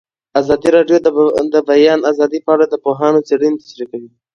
ازادي راډیو د د بیان آزادي په اړه د پوهانو څېړنې تشریح کړې.